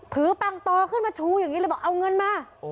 ปังตอขึ้นมาชูอย่างนี้เลยบอกเอาเงินมา